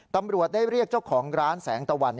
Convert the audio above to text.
ตำรวจได้เรียกเจ้าของร้านแสงตะวัน